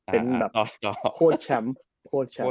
เป็นแบบโคตรแชมป์